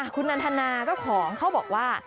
คุณนันทนาเจ้าของเขาบอกว่า